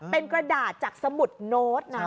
เป็นกระดาษจากสมุดโน้ตนะ